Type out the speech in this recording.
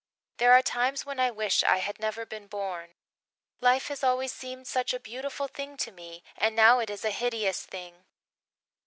There are times when I wish I had never been born. Life has always seemed such a beautiful thing to me and now it is a hideous thing.